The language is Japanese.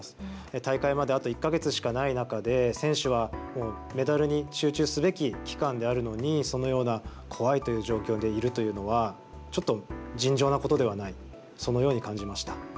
大会まであと１か月しかない中で選手は、もうメダルに集中すべき期間であるのにそのような怖いという状況でいるというのはちょっと尋常なことではないそのように感じました。